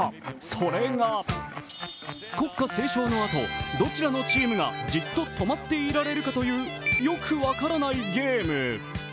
それが、国歌斉唱のあと、どちらのチームがじっと止まっていられるかというよく分からないゲーム。